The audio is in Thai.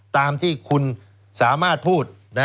ตามที่คุณสามารถพูด